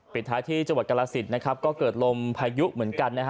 ปิดท้ายที่จังหวัดกรสิตก็เกิดลมพายุเหมือนกัน